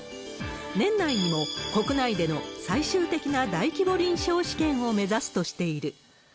年内にも国内での最終的な大規模臨床試験を目指すとしている。